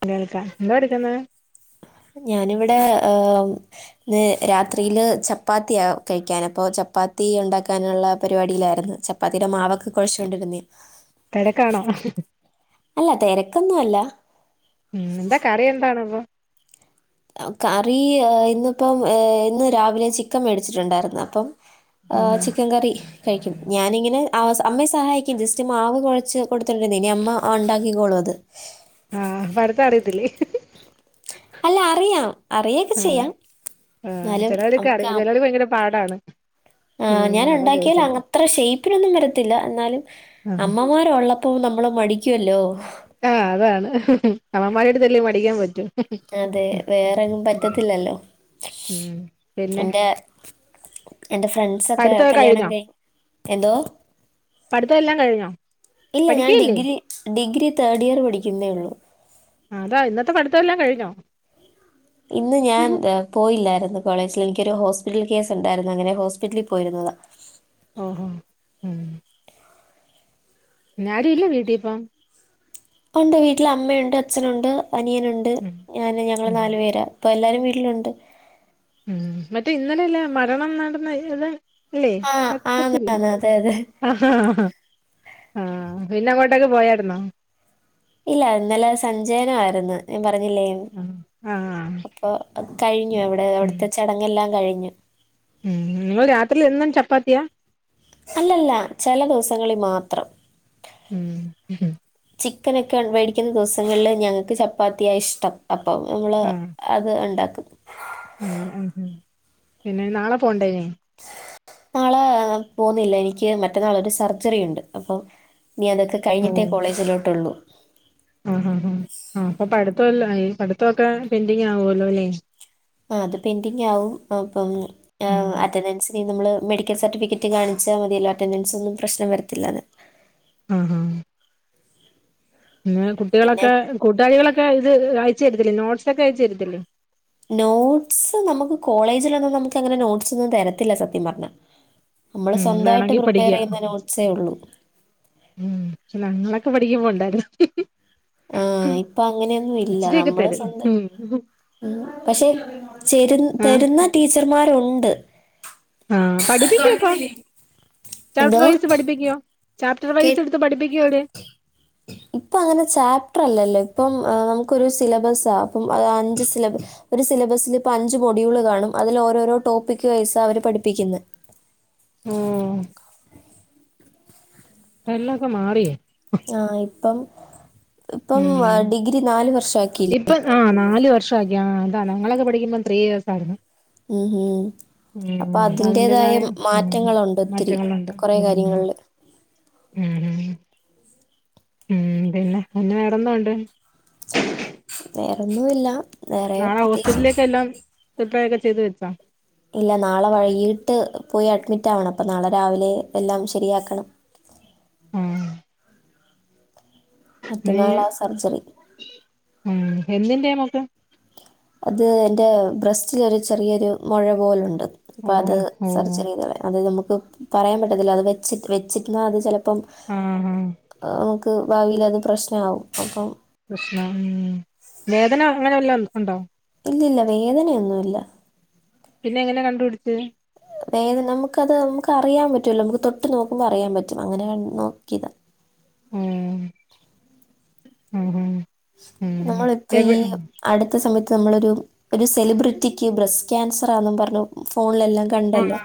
[unintelligible] എന്താഎട്ക്ക്‌ന്നേ ഞാനിവിടെ ന്ന് രാത്രിയില് ചപ്പാത്തിയാ കഴിക്കൻ അപ്പോ ചപ്പാത്തി ഉണ്ടാക്കാനുള്ള പരിപാടിയിലായിരുന്നു ചപ്പാത്തിയുടെ മാവൊക്കെ കൂഴചോണ്ടിരിക്കുന്നെ തിരക്കാണോ അല്ല തിരക്കൊന്നും അല്ല ഉം എന്ത കറി എന്തണപ്പൊ കറി ഇന്നിപ്പം ഇന്ന് രാവിലെ ചിക്കൻ മേടിച്ചിട്ടുണ്ടായിരുന്ന അപ്പം ആ ആഹ് ചിക്കൻ കറി കഴിക്കും ഞാനിങ്ങനെആ അമ്മയെ സഹായിക്കും ജസ്റ്റ് മാവ് കുഴച്ച് കൊടുത്തിട്ടുേഇനി അമ്മ ഉണ്ടാക്കിക്കോളും അത് ആഹ് അപ്പൊ അടുത്ത അറിയത്തില്ലേ അല്ല അറിയാം അറിയൊക്കെ ആഹ് ചെയ്യാം ആഹ് എന്നാലും ചിലവർക്ക് നമക്ക് അറിയ ആഹ് ചിലവര് ഭയങ്കര പാടാണ് ആഹ് ഉം ഞാൻ അതാ ഇണ്ടാക്കിയലൻ ചോദിച്ചത് [unintelligible] അത്ര ഷേയ്പ്പി നൊന്നുംവരത്തില്ല എന്നാലും ആഹ് അമ്മമാരൊള്ള ഇപ്പ നമ്മള് മടി ആഹ് അതാണ് അവന്മാരായ്ട്ട [unintelligible] മടിയും പറ്റു അതെ വേറെങ്ങും പറ്റത്തില്ലല്ലോ ഉം പിന്നെ എന്റെ എന്റെ ഫ്രണ്ട് സൊക്കെ പഠിത്തൊക്കെ കല്യാണം കഴിഞ്ഞോ കഴി എന്തോ പഠിത്തം എല്ലാം കഴിഞ്ഞോ ഇല്ല ഞാൻ പഠിക്കയില്ലേ ഡിഗ്രി ഡിഗ്രി തേഡ് ഇയർ പഠിക്കുന്നേ ഒള്ളു ആഹ് അതാ ഇന്നത്തെ പഠിത്ത്വേല്ലാം കഴിഞ്ഞോ ഇന്ന് ഞാൻ പോയില്ലായിരുന്നു കോളേജിൽ എനിക്കൊരു ഹോസ്പിറ്റൽ കേസ് ഉണ്ടായിരുന്നു അങ്ങനെ ഹോസ്പിറ്റലിൽ പോയിരുന്നത് ഉം ഉം ഉം ഉം ഇന്നാരുമില്ലേ വീട്ടിലിപ്പം ഉണ്ട് വീട്ടില് അമ്മയുണ്ട് അച്ഛനുണ്ട് അനിയനുണ്ട് ഉം ഞാനും ഞങ്ങൾ ഉം നാല് പേരാ ഇപ്പൊ എല്ലാരും വീട്ടിലൊണ്ട് ഉം മറ്റേ ഇന്നലെ അല്ലേ മരണം നടന്ന ഇത് അല്ലെ ആഹ് ആന്ന് [unintelligible] ആന്ന് അതെ അതെ. ആഹ് ആഹ് പിന്നങ്ങോട്ടെക്കെ പോയാരുന്നോ ഇല്ല ഇന്നലെ സഞ്ചയനം ആരുന്നു ഞാൻ പ പറഞ്ഞില്ലേ ഞാൻ ആഹ് ആഹ് അപ്പൊ കഴിഞ്ഞോ അവിടെ ഉം അവിടത്തെ ചടങ്ങെല്ലാം കഴി ഞ്ഞു ഉം നിങ്ങള് രാത്രിയിൽ എന്നും ചപ്പാത്തിയാ അല്ലല്ല ചില ദിവസങ്ങളിൽ മാത്രം ഉം ഉം ചിക്കനൊക്കെ മേടിക്കുന്ന ദിവസങ്ങളില് ഞങ്ങൾക്ക് ചപ്പാത്തിയാ ഇഷ്ടം അ പ്പം ഞങ്ങള് അത് ഉണ്ടാക്കും ആഹ് ആഹ് ആഹ് പിന്നെ നാളെ പോകണ്ടേ ഇനിയും നാളെ പോന്നില്ല എനിക്ക് മറ്റന്നാളൊര് ഒരു സർജറി ഉണ്ട് അപ്പൊ ഇനി അതൊക്കെ ഓഹ് കഴിഞ്ഞിട്ടേ കോളേജിലോട്ടുള്ളൂ. ആഹ് ആഹ് ആഹ് അപ്പൊ പഠിത്തവെല്ലാ ആയി പഠിത്തൊക്കെ പെൻഡിംഗ് ആവുവല്ലോ ല്ലേ. ആ അത് പെൻഡിംഗ് ആവും അപ്പം ആ ഉം അറ്റൻഡൻസ് എനി നമ്മള് മെഡിക്കൽ സർട്ടിഫിക്കറ്റ് കാണിച്ചാ മതിയല്ലോ അറ്റൻഡൻസ് ഒന്നും പ്രശ്നം വരത്തില്ലെന്ന് ആഹ് ആഹ് പിന്നെ പിന്നെ കുട്ടികളൊക്കെ കൂട്ടുകാരിളൊക്ക് [unintelligible] ഇത് അയച്ച് തരത്തില്ലേ? നോട്ട്സൊക്കെ അയച്ച് തരത്തില്ലേ? നോട്ട്സ് നമുക്ക് കോളേജിലൊന്നും നമുക്ക് അങ്ങനെ നോട്ട്സ് ഒന്നും തെരത്തില്ല സത്യം പറഞ്ഞാ നമ്മള് ഉം സ്വന്തമായിട്ട് വേണമെങ്കി പ്രിപ്പെയർ പഠിക്കുക ചെയ്യുന്ന നോട്ട്സേ ഉള്ളൂ. ഉം ഞങ്ങളൊക്കെ പഠിക്കുമ്പോണ്ടായിരുന്നു. ആ ഇപ്പ അങ്ങനെയൊന്നും ഇല്ല ഇച്ചിരിയൊക്കെ നമ്മള് തരും സ്വന്തം ഉം പക്ഷെ തരുന്ന ടീച്ചർമാർ. ഉണ്ട് ആ പഠിപ്പിക്കുവോ ഇപ്പ ചാപ്റ്റർ എന്തോ വൈസ് പഠിപ്പിക്കോ ചാപ്റ്റർ കേ വൈസ് എടുത്ത് പഠിപ്പിക്കോ ഇവിടെ ഇപ്പൊ അങ്ങനെ ചാപ്റ്റർ അല്ലല്ലോ ഇപ്പം നമുക്കൊരു സിലബസാ അപ്പ അഞ്ച് സിലബ ഒരു സിലബസിൽ ഇപ്പ അഞ്ച് മോഡ്യൂൾ കാണും അതിൽ ഓരോരോ ടോപ്പിക്ക് വൈസ്‌ അവര് പഠിപ്പിക്കുന്നേ. ഉം [unintelligible] ആ ഇപ്പം. ഇപ്പം ഉം ഡിഗ്രി നാലു വർഷം ആക്കില്ലേ. ഇപ്പൊ ആ [unintelligible] ഉം ഉം ഉം അപ്പൊ അതിന്റെതായ അതിന്റേതായ ഉം മാറ്റങ്ങളുണ്ട് ഒത്തിരി മാറ്റങ്ങളുണ്ട് കുറെ ഉം കാര്യങ്ങളില്. ഉം ഉം പിന്നെ പിന്നെ വേറെ എന്താ ഉണ്ട്. വേറൊന്നുമില്ല. വേറെ നാളെ പ്രത്യേകിച്ച് ഹോസ്പിറ്റലിലേക്ക്‌ എല്ലാം. [unintelligible] ഇല്ല നാളെ വൈകീട്ട് പോയി അഡ്മിറ്റ് ആവണം അപ്പ നാളെ രാവിലെ എല്ലാം ശരിയാക്കണം. ആ നീ മറ്റന്നാളാ സർജറി. ഉം എന്തിന്റെയാ മോക്ക്. അത് എന്റെ ബ്രസ്റ്റില് ഒരു ചെറിയൊരു മുഴ പോലുണ്ട്. [unintelligible] ഓ ഓ പറയാൻ പറ്റത്തില്ല അത് വെച്ചി വെച്ചിരുന്ന അത് ചെല. ഇപ്പം ആ ആ ആ ക്ക് ഭാവീലത് പ്രശ്നാവും അപ്പം പ്രശ്നാ മ്മ് വേദന അങ്ങനെ വല്ലോ. ഉണ്ടോ ഇല്ലല്ല വേദനെയൊന്നുല്ല പിന്നെ എങ്ങനെ കണ്ടുപിടിചേ വേദന നമുക്ക അത് നമുക്ക് അറിയാൻ പറ്റൂല്ലോ നമുക്ക് തൊട്ട് നോക്കുമ്പോൾ അറിയൻ പറ്റും അങ്ങനെ നോക്കിയതാ മ്മ് മ്മ്മ് ഞങ്ങള് ഇപ്പ ഈ അടുത്ത സമയത്ത് ത്ത് അമ്മളൊരു ഒരു സെലിബ്രിറ്റിക്ക് ബ്രസ്റ്റ് ക്യാൻസ് റാ ന്നും പർഞ് ഫോൺ ഫോണിലെല്ലാം ആഹ് കണ്ടല്ലോ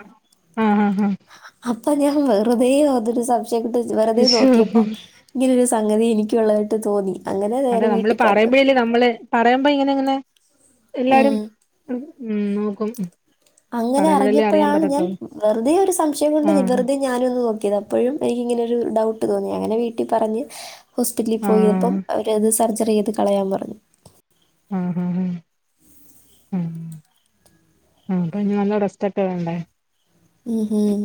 ആഹ് ആഹ് അപ് അപ്പ ഞാ വെറുതെ അതൊരു സമ് വെറുതെ ആഹ് ശോ നോക്കിയപ്പോ ഇങ്ങനൊരു സ് സംഗതി എനക്കുള്ളതായിട്ട് തോന്നി അങ്ങനെ അതെ നേരെ നമ്മള് വീട്ടിൽ പറഞ്ഞു പറയുമ്പോഴല്ലേ നമ്മള് പറയുമ്പോ ഇങ്ങനെ ഇങ്ങനെ എല്ലാരും ഉം മ്മ് നോക്കും അങ്ങനെ പറയുമ്പോഴല്ലേ അറിയാൻ അറിഞ്ഞപ്പഴാണ് ഞാൻ പറ്റത്തുള്ളൂ വെറുതെ ഒരു സംശയം കൊണ്ട് ആഹ് വെറുതെ ഞാനു ഒന്ന് നോക്കിയതാ അപ്പഴും എനിക്കിങ്ങനെയൊര് ഡൗട്ട് തോന്നി അങ്ങനെ വീട്ടിൽ പറഞ് ഹോസ്പിറ്റലിൽ ആഹ് പോയിയപ്പം അവര്ത് സർജറി ചെയ് കളയാൻ പറഞ്ഞു ആ ആ ആ അപ്പ ഇഞ് നല്ല റെസ്റ്റൊക്കെ വേണ്ടേ. മം മം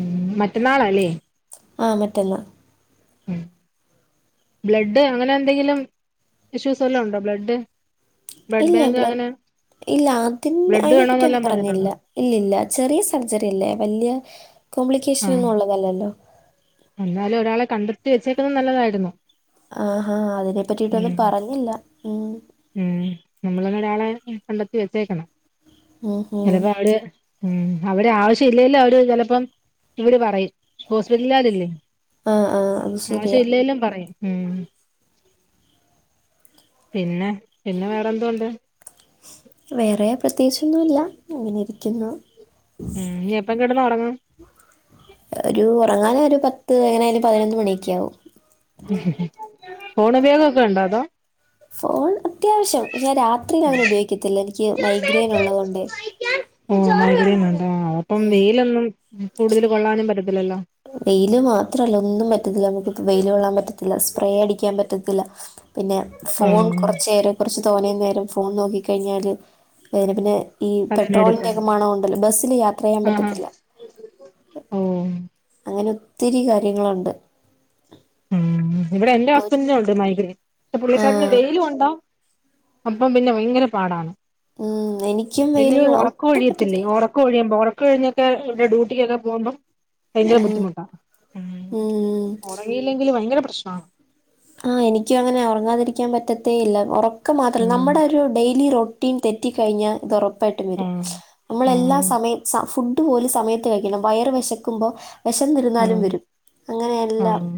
മ്മ് മറ്റന്നാളാല്ലേ ആ മറ്റന്നാ ബ്ലഡ് അങ്ങനെ എന്തെങ്കിലും ഇഷ്യൂസ് വല്ലോ ഉണ്ടോ ബ്ലഡ് ഇല്ല ബാങ്ക് ബ്ലഡ് അങ്ങനെ ഇല്ല അതിൻ്റെ ബ്ലഡ് അയിനെ പറ്റി ഒന്നും വേണോന്നെല്ലാം പറഞ്ഞില്ല. പറഞ്ഞിട്ടുണ്ടോ ഇല്ലല്ല ചെറിയ സർജറി ആല്ലേ വലിയ ആഹ് കോംപ്ലിക്കേഷനൊന്നും ഒള്ളതല്ലല്ലോ. എന്നാലും ഒരാളെ കണ്ടെത്തി വെച്ചേക്കുന്നത് നല്ലതായിരുന്നു. ആ ആ അതിനെ പറ്റിയിട്ടൊന്നും പറഞ്ഞില്ല. മം മ്മ് നമ്മളൊരാളെ കണ്ടെത്തി വെച്ചേക്കണം. മം മം മ്മ് അവിടെ ആവശ്യം ഇില്ലേല്ലു. അവര് ചെലപ്പം ഇവര് പറയും ഹോസ്പിറ്റലാരില്ലെ ആ ആ അത് ശരിയാ. ആവശ്യ ഇല്ലെലും പറയും ഉം പിന്നെ പിന്നെ വേറെ എന്തൊണ്ട് വേറെ പ്രത്യേകിച്ചൊന്നുമില്ല. അങ്ങനെ ഇരിക്കുന്നു ഉം ഇനി എപ്പം കിടന്ന് ഉറങ്ങും ഒരു ഉറങ്ങാനോരു പത്ത്, ഇത് എങ്ങനെനായാലും പതിനൊന്ന് മണിയൊക്ക ആകും ഉ ഫോണ് ഉപയോഗൊക്കെ ഇണ്ടോ. അതോ ഫോൺ അത്യാവശ്യം. പക്ഷേ ഞാൻ രാത്രിയിൽ അങ്ങനെ ഉപയോഗിക്കത്തില്ല. എനിക്ക് മൈഗ്രെയിൻ ഉള്ളത് കൊണ്ട് ശം ആ അപ്പം വെയിലൊന്നും കൂടുതല് കൊള്ളാനും പറ്റത് വെയില് മാത്രല്ല ഒന്നും പറ്റത്തില്ല നമുക്ക് വെയിയില് കൊള്ളാൻ പറ്റത്തില്ല സ്പ്രേ അടിക്കാൻ പറ്റത്തില്ല പിന്നെ ഫോൺ ആഹ് കുറച്ച് നേരം കൊറച്ച് തോന്നെ നേരം ഫോൺ നോക്കിക്കഴിഞ്ഞാല് [unintelligible] പിന്നെ ഈ തലവേദന എടുക്കും പെട്രോളിൻ്റെയൊക്കെ മണം ഒണ്ടല്ലോ ബസ്സില് യാത്ര ചെയ്യാൻ ആഹാ പറ്റത്തില്ല ഓ അങ്ങനെ ഒത്തിരി കാര്യങ്ങളുണ്ട് ഉം ഇവിടെ എന്റെ ഒരു ഹസ്ബൻഡിനും ഉണ്ട് മൈഗ്രയിൻ ത്തെ ആ പുള്ളിക്കാരന് വെയില് കൊണ്ടാ അപ്പം പിന്നെ ഭയങ്കര പാടാണ് ഉം, എനിക്കും പിന്നെ ഈ വെയിലുള്ള ഒട്ടും ഒറക്കൊഴിയത്തില്ലേ പറ്റത്തില്ല ഒറക്കൊഴിയ്മ്പോ ഒറ കഴിഞ്ഞൊക്കെ ഡൂട്ടികെക്കെ പോവ്മ്പം ഭയങ്കര ഉം, ബുദ്ധിമുട്ടാ ഉം ഉം. ഓ ത് ഭയങ്കര പ്രശ്നാ ആഹ് എനിക്കും അങ്ങനെയാ ഒറങ്ങാതിരിക്കാൻ പറ്റത്തേ ഇല്ല ഒറ ക്കം മാത്രല്ല നമ്മടെരു ഡെയ്ലി റോ ട്ടീൻ തെറ്റി കയ്ഞ്ഞാ ഇതാെറ പ്പായ്ട്ടും വരും ആഹ് നമ്മളെല്ലാ ആഹ് സമയെ സ ഫു ഡ് പോലും സമയത്ത് കഴിക്കണം വയറ് വെശക്ക്മ്പോ വെശന്നിര്ന്നാലും ആഹ് വരും അങ്ങനെയെല്ലാം ആഹ്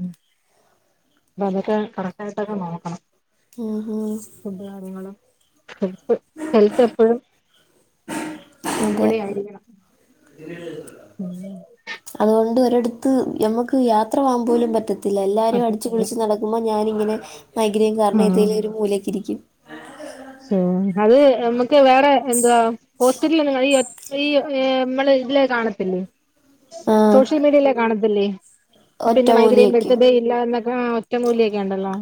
ക്ടായ്ട്ടൊക്കെ നോക്കണം ഉം ഹൂം ഫുഡ് കാര്യങ്ങളും ഹെൽത്ത് ഹെൽത്തെപ്പഴും അതെ പിന്നെ അതുകൊണ്ടൊരു എട്ത്ത് ഞമ്മക്ക് യാത്രപോകാൻ പോലും പറ്റത്തി ലെല്ലാരും അടിച്ച് പറ്റത്തില്ല പൊളിച്ച് നടക്കുമ്പോ ഞ് ഞാനിങ്ങനെ മൈഗ്രേൻ കാരണം ആഹ് ഏതേലൊരു മൂലക്കിരിക്കും [unintelligible] അത് നമ്മക് വേറെ എന്തുവാ ഹോസ്പിറ്റലിലൊന്നും [unintelligible] ഈ ഏ മ്മള് ഇതില് കാണത്തില്ലേ ആ സോഷ്യൽ മീഡിയയിലെ കാണ തില്ലേ? പിന്നെ മൈഗ്രേൻ ഒറ്റമൂലിയൊക്കെയോ ബരുത്തതേ ഇല്ലാന്നക് ആ ഒറ്റമൂലി ക്കെണ്ടല്ലോ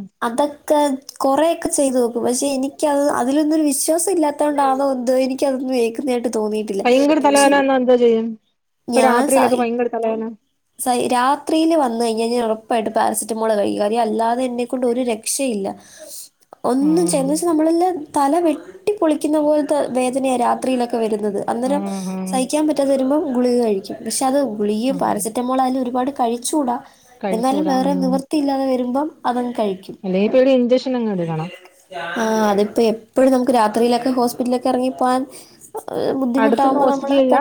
ക്കെ കൊറേയൊക്കെ ചെയ്തു നോക്കും. പക്ഷേ എനിക്കത് അതിലൊന്നൊരു വിശ്വാസ ല്ലാത്തോണ്ടാണോ ന്തോ എനി ക്കതൊന്നു ഏക്കുന്നയായിട്ട് ഭയങ്കര തലവേനന്നാ എന്തൊ ചെയ്യും? ഇപ്പൊ ഞാൻ രാത്രിയിലൊക്കെ സഹി ഭയങ്കര തലവേന സഹി രാത്രിയില് വന്നഴിഞ്ഞഞ്ഞാ ഉറപ്പായിട്ട് പാരസിറ്റമോള് കൈകാര്യല്ലാതെ എന്നെക്കൊണ്ട് ഒരു രക്ഷയില്ല ഒന്നും ചെയ്യ ആഹ് എന്ന്വെച്ചാ നമ്മളെല്ലാം തല വെട്ടി പൊളിക്കുന്ന പോൽത്തെ വേദനയാ രാത്രിയിലൊക്ക് വര്ന്നത്. അന്നേരം ആഹ് ആഹ് സഹിക്കാൻ പറ്റാതരുമ്പം ഗുളിക കഴിക്കും പക്ഷേ അത് കുളിഗേം ഉം പാരസിറ്റ് അതില് ഒരുപാട് കഴിച്ചൂട എന്നാലും കഴിച്ചൂടാ വേറെ ഉം നിവൃത്തിയില്ലാതെ വരുമ്പം അവൾ കഴിക്കും. അല്ലെങ്കി ഇപ്പൊ ഒരു ഇഞ്ചക്ഷൻ അങ്ങ് എടുക്കണം ആ അത്പ്പൊ എപ്പഴും നമുക്ക് രാത് ത്രിയിലൊക്കെ ഹോസ്പിറ്റലിലൊക്കെ എറങ്ങിപ്പോവാൻ അടുത്തൊന്നും ബുദ്ധിമുട്ടാകുമ്പോൾ നമ്മള് ഹോസ്പിറ്റലില്ല പെ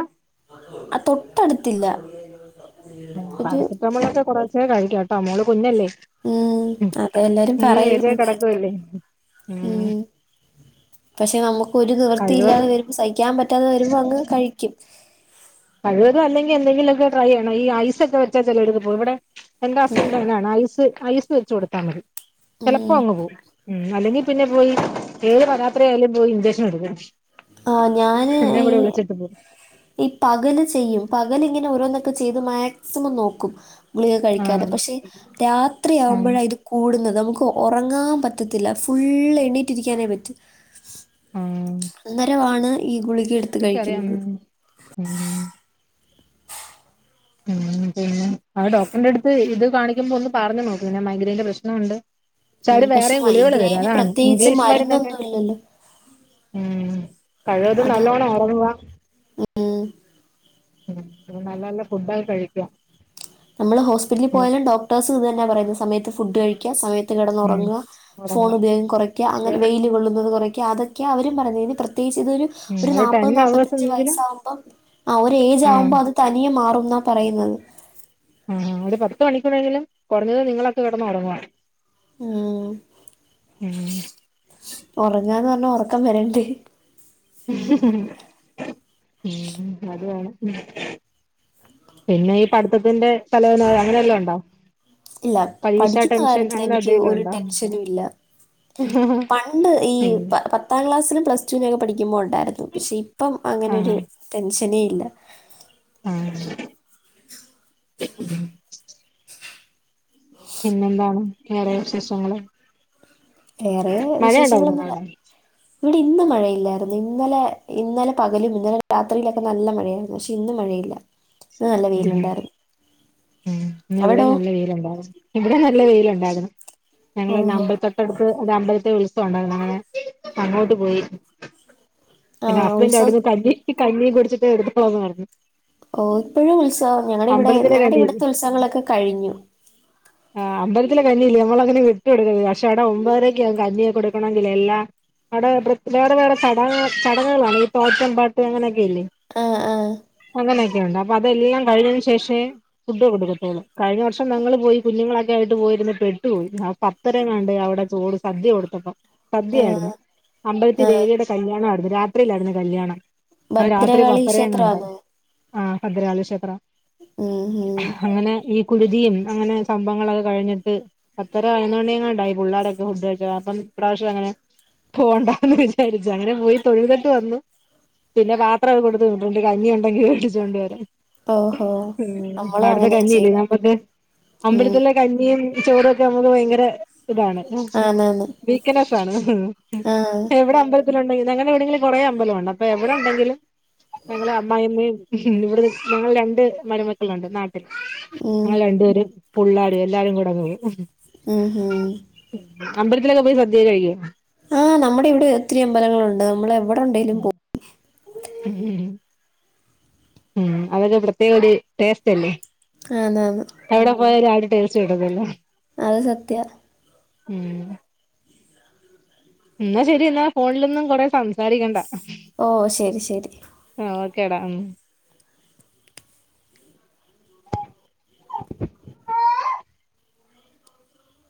തൊട്ടട് ത്തില്ല പാരസെറ്റാമോൾ ഒക്കെ കൊറച്ചേ കഴി കേട്ടോ മോള് കുഞ്ഞല്ലേ? ഉം അതേ എല്ലാരും ഇങ്ങനെ പറയും ഏജായി കിടക്കുവല്ലേ ഉം പക്ഷെ നമുക് ഒരു നിവൃത്തി ഇല്ലാതെ കഴിവതും വരുമ്പം സഹിക്കാൻ പറ്റ് പറ്റാതെ വരുമ്പോ അങ്ങ് കഴിക്കും കഴിവതു അല്ലെങ്കി എന്തെങ്കിലു ഒക്കെ ട്രൈ ചെയ്യണം. ഈ ഐസ് ഒക്കെ വെച്ചാ ചെലേട്ത്ത് പോകും ഇവിടെ എന്റെ ഉം ഹസ്ബൻഡ് ഇങ്ങനാണ് ഐസ് ഐസ് വെച്ചു കൊടുത്താൽ മതി ചിലപ്പോ ഉം അങ്ങ് പോവും ഉം അല്ലെങ്കിൽ- പിന്നെ പോയി ഏത് പാരാത്രി ആയാലും പോയി ഇൻജക്ഷൻ എടുക്കും ആ ഞാന് എന്നെ ഈ കൂടെ വിളിച്ചിട്ട് പോവും ഇ പകല് ചെയ്യും പകൽ ഇങ്ങനെ ഓരോന്ന്- ഒക്കെ ചെയ്ത് മാക്സിമം നോക്കും ഗുളിക കഴിക്കാതെ ആഹ് പക്ഷെ ആഹ് രാത്രിയാവുമ്പോഴാ ഇത് കൂടുന്നത് നമുക്ക് ഉറങ്ങാൻ പറ്റത്തില്ല ഫുള്ള് എണീറ്റിരിക്കാനേ പറ്റു ആഹ് പകരമാണ് ഈ ഗുളി എനിക്കറിയാം ഉ ഉ ഉം പിന്നെ ആ ഡോക്ടറിന്റെ അടുത്ത് ഇത് കാണിക്കുമ്പോ ഒന്ന് പറഞ്ഞ് നോക്ക്‌ പിന്നെ മൈഗ്രൈന്റെ പ്രശ്നമുണ്ട് ഉം, ച്ചാലും പക്ഷെ വേറെയും ഗുളികള് തരും മൈഗ്രെയിന് അതാണ് പ്രത്യേകിച്ച് ഇംഗ്ലീഷ്മരുന്നെക്കെ മരുന്നൊന്നും ഇല്ലല്ലോ ഉം കഴിവതും അത് നല്ലോണം ഉറങ്ങുവ ഉ നല്ല നല്ല ഫുഡ്‌ ഒക്കെ കഴിക്കാം നമ്മള് ഹോസ്പിറ്റലിൽ പോയാലും ഡോക്ടേഴ്സും ഇത് തന്നാ പറയുന്നെ സമയത്ത് ഫുഡ് കഴിക്കുക സമയ ത്ത് ഉം കിടന്നുറങ്ങുക ഫോൺ ഒറങ്ങുക ഉപയോഗം കുറയ്ക്കുക അങ്ങനെ ഒരു വെയിൽ കൊള്ളുന്നത് കുറയ് അതൊക്കെയാ അതൊക്കയാ അവരും പറഞ്ഞെ ഇതിന് പ്ര പ്രത്യേകിച്ച് ഇതൊരു ഉം ഒരു ടെൻ നാപ്പത് അവേഴ്സ് നാപ്പത്തഞ്ച് വയസ് എങ്കിലും ആകുമ്പം ആഹ് ഒരു ഏജ് ആഹ് ആകുമ്പോ അത് തനിയെ മാറും ന്നാ പറയുന്നത് ആ ഒരു പത്ത് മണിക്കുള്ളിലെങ്കിലും കുറഞ്ഞത് നിങ്ങളൊക്കെ കിടന്ന് ഉറങ്ങുവാ ഉം ഒറങ്ങാന്ന് പറഞ്ഞാ ഒറക്കം വരണ്ടേ ഉം അതാണ് പിന്നെ ഈ പഠിത്തത്തിന്റെ തലവേദന അങ്ങനെ വല്ലോം ഉണ്ടോ ഇല്ല പരീക്ഷ പഠിക്കുന്ന ടെൻഷൻ അങ്ങനെ കാര്യത്തിലെനിക്ക് എന്തെലും ഒരു ഉണ്ടോ ടെൻഷനും ഇല്ല പണ്ട് ഈ ഉം പത്താം ക്ലാസ്സിലും പ്ലസ് ടുനൊക്കെ പഠിക്കുമ്പോ ഒ ണ്ടാരുന്നു പക്ഷെ ഇപ്പം അങ്ങനൊരു ടെൻ ഷനെയില്ല ആ ഉം പിന്നെന്താണ് വേറെ വിശേഷങ്ങള് വേറെ മഴ ഉണ്ടായിരുന്നോ വിശേഷങ്ങളൊന്നുല്ല അവിടെ ഇവിടെ ഇന്ന് മഴയില്ലാരുന്നു ഇന്നലെ ഇന്നലെ പകലും ഇന്നലെ രാത്രിയിലൊക്കെ നല്ല മഴയാരുന്നു പക്ഷെ ഇന്ന് മഴയില്ല ഇന്ന് നല്ല ഉം വെയിലൊണ്ടാരുന്നു ഉം ഇന്ന് ഇവിടെ നല്ല വെയിലൊണ്ടാർന്നു ഇവിടെ നല്ല വെയിലൊ ണ്ടാരുന്നു ഞങ്ങളന്നെ ഓഹോ അമ്പലത്തൊട്ടടുത്ത് അത് അമ്പലത്തെ ഉത്സവം ഉണ്ടായിരുന്നു അങ്ങനെ അങ്ങോട്ട് പോയി പിന്നെ ആഹ് ഹസ്ബൻറ്റ് ഉത്സവം അവിടുന്ന് തല്ലി കഞ്ഞി കുടിച്ചിട്ട് എടുത്ത് പോകുമായിരുന്നു ഓ ഇപ്പോഴും ഉത്സവന്നണോ ഞങ്ങളടെ ഇവിടെ അമ്പലത്തിലെ ഞങ്ങളടെ കഞ്ഞിയല്ലേ ഇവിടത്തെ ഉത്സവങ്ങളൊക്കെ കഴിഞ്ഞു ആഹ് അമ്പലത്തിലെ കഞ്ഞിയില്ലേ നമ്മക്കങ്ങനെ വിട്ടു കൊടുക്കരുത് പക്ഷേ അവിടെ ഒമ്പതരക്ക് കഞ്ഞിയൊക്കെ കൊടുക്കണെങ്കിൽ എല്ലാ അവിടെ വേറെ വേറെ ചട ചടങ്ങുകളാണ് ഈ തോറ്റം പാട്ട് അങ്ങനെയെ ആഹ് ആഹ് അങ്ങനൊക്കെയുണ്ട് അതെല്ലാം കഴിഞ്ഞതിനു ശേഷേ ഫുഡ് കൊടുക്കത്തുള്ളൂ കഴിഞ്ഞ വർഷം ഞങ്ങള് പോയി കുഞ്ഞുങ്ങളൊക്കെയായിട്ട് പോയിരുന്ന് പെട്ടുപോയി പത്തരയെങ്ങാന്ടായി അവിടെ ചോട് സദ്യ കൊടുത്തപ്പം സദ്യയായിരുന്നു അമ്പലത്തി ദേവിയുടെ കല്യാണമായിയിരുന്നു രാത്രി രാത്രിയിലായിരുന്നു കല്യാണം രാത്രി ഭദ്രകാളി പത്തരയെങ്ങാണ്ട് ക്ഷേത്രമാണോ ആ ഭദ്രകാളി ക്ഷേത്രാ ഉം ഉം അങ്ങനെ ഈ കുടുതിയും അങ്ങനെ സംഭങ്ങളൊക്കെ കഴിഞ്ഞിട്ട് പത്തര പതിനൊന്നുമണിയെങ്ങാന്ടായി പുള്ളേരുടൊക്കെ ഫുഡ് കഴിച്ച് അപ്പൊ ഇപ്രാവശ്യം അങ്ങനെ പോകണ്ടാന്ന് വിചാരിച്ചു അങ്ങനെ പോയി തൊഴുതിട്ട് വന്നു പിന്നെ പാത്രമൊക്കെ കൊടുത്തു വിട്ടുണ്ട് കഞ്ഞി യുണ്ടെങ്കിൽ മേടിച്ചോന്ണ്ടു വരാൻ ഓഹോ ഉം നമ്മളും അവിടത്തെ അങ്ങനെയാ കഞ്ഞിയില്ലേ ചെയ്യുന്നെ നമ്മക്ക് ഉം അമ്പലത്തിലെ കഞ്ഞി ചോറൊക്കെ നമുക്ക് ഭയങ്കര ഇതാണ് ആന്നാന്ന് വീക്ക്നസ് ആണ് ആഹ് എവിടെ അമ്പല ഞങ്ങടെവിടെന്കിലും കുറേ അമ്പലമുണ്ട് അപ്പൊ എവിടെ ഉണ്ടെങ്കിലും ഞങ്ങളെ അമ്മായിമ്മയും ഉം ഇവിടെ ഞങ്ങൾ രണ്ട് മരുമക്കളുണ്ട് നാട്ട് ഉം. ഞങ്ങൾ രണ്ട് പേരും പുള്ളാടി എല്ലാരും കൂടെ പോകും ഉം ഉം അമ്പലത്തിലൊക്കെ പോയി സദ്യക്കെ കഴിക്കോ ആഹ് നമ്മുടെ ഇവിടെ എത്തിരി അമ്പലങ്ങളുണ്ട് നമ്മൾ എവിടെണ്ടെങ്കിലും പോ ഉം ഉം അതൊക്കെ ഇവട്ത്തെ ഒർ ടേസ്റ്റ് അല്ലേ പോകും ആന്ന് ആന്ന് എവിടെ പോയ [unintelligible] തഴ്ച്ച് ഇടുന്നില്ല അത് സത്യ ഉം എന്നാ ശരി എന്നാ ഫോണിലൊന്നും കൊറേ സംസാരിക്കണ്ട ഓ ശരി ശരി. ക്കെടാ